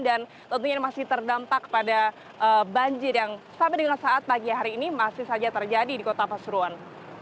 dan tentunya masih terdampak pada banjir yang sampai dengan saat pagi hari ini masih saja terjadi di kota pasuruan